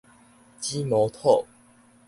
紫毛土